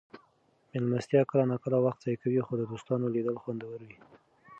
مېلمستیاوې کله ناکله وخت ضایع کوي خو د دوستانو لیدل خوندور وي.